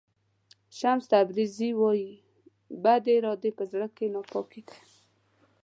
شمس تبریزي وایي بدې ارادې په زړه کې ناپاکي ده.